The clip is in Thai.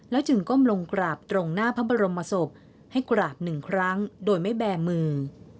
จึงก้มลงกราบตรงหน้าพระบรมศพให้กราบหนึ่งครั้งโดยไม่แบมือ